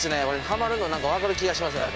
これハマるの何か分かる気がします。